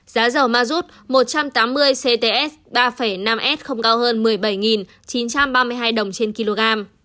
giá dầu mazut một trăm tám mươi cts ba năm s không cao hơn một mươi bảy chín trăm ba mươi hai đồng trên kg